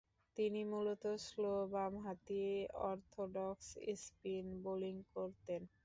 তিনি মূলতঃ স্লো বামহাতি অর্থোডক্স স্পিন বোলিং করতেন।